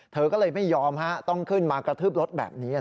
เธอก็เลยไม่ยอมต้องขึ้นมากระทืบรถแบบนี้